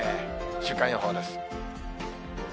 週間予報です。